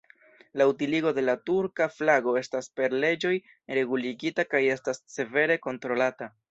La utiligo de la turka flago estas per leĝoj reguligita kaj estas severe kontrolata.